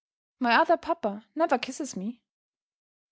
"My other papa never kisses me."